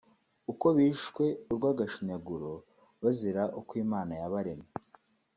uko bishwe urw’agashinyaguro bazira uko Imana yabaremye